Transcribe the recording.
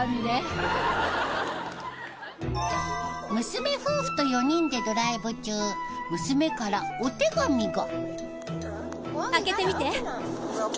娘夫婦と４人でドライブ中娘からお手紙が。